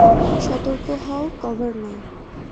সতর্ক হও, কভার নাও!